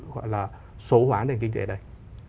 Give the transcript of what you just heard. gọi là số hóa nền kinh tế này